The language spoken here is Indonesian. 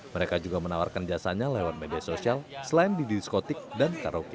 mereka juga menawarkan jasanya lewat media sosial selain di diskotik dan karaoke